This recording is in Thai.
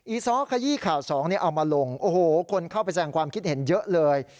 ซ้อขยี้ข่าวสองเอามาลงโอ้โหคนเข้าไปแสงความคิดเห็นเยอะเลย